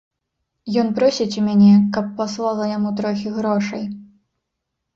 Ён просіць у мяне, каб паслала яму трохі грошай.